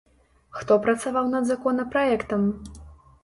Хто працаваў над законапраектам?